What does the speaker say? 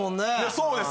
そうです。